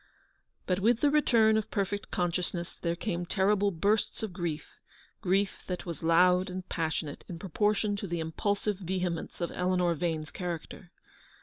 But with the return of perfect consciousness there came terrible bursts of grief — grief that was loud and passionate in proportion to the impulsive vehemence of Eleanor Vane's character.